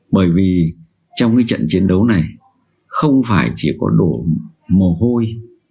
bởi vì trong cái trận chiến đấu này không phải chỉ có độ mồ hôi